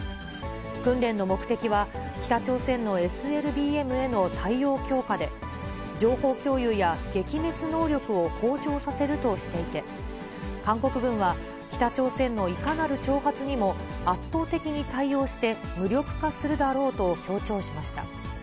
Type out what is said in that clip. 訓練の目的は、北朝鮮のＳＬＢＭへの対応強化で、情報共有や撃滅能力を向上させるとしていて、韓国軍は、北朝鮮のいかなる挑発にも圧倒的に対応して、無力化するだろうと強調しました。